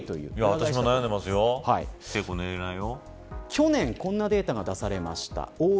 去年こんなデータが出されました。